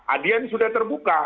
adian sudah terbuka